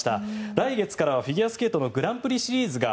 来月からはフィギュアスケートのグランプリシリーズが